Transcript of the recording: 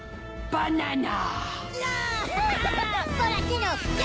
バナナ！